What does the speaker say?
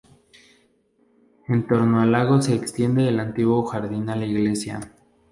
En torno al lago se extiende el antiguo jardín a la inglesa.